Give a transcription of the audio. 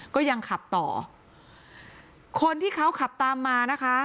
ก็ยังขับต่อคนที่เขาขับตามมานะคะ